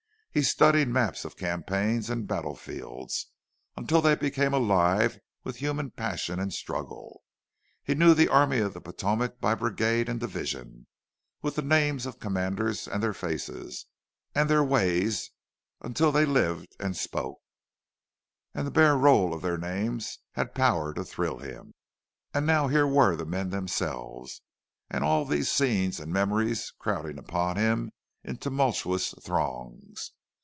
He studied maps of campaigns and battle fields, until they became alive with human passion and struggle; he knew the Army of the Potomac by brigade and division, with the names of commanders, and their faces, and their ways—until they lived and spoke, and the bare roll of their names had power to thrill him.—And now here were the men themselves, and all these scenes and memories crowding upon him in tumultuous throngs.